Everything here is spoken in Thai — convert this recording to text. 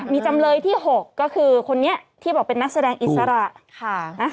มีจำเลยที่๖ก็คือคนนี้ที่บอกเป็นนักแสดงอิสระ